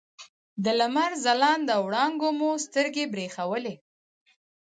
د لمر ځلانده وړانګو مو سترګې برېښولې.